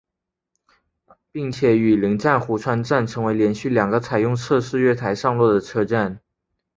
并且与邻站壶川站成为连续两个采用侧式月台上落的车站。